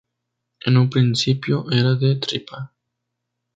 En un principio eran de tripa.